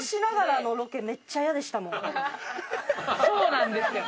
そうなんですよ。